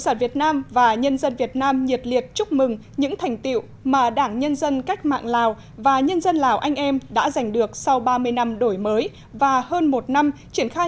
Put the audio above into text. đặc biệt qua ba mươi năm thực hiện đường lối đổi mới và hơn một năm triển khai